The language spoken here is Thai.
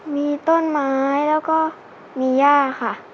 มีต้นไม้แล้วก็มีย่าค่ะ